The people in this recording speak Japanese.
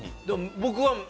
僕は。